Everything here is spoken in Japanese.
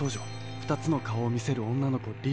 ２つのかおをみせるおんなのこリリー。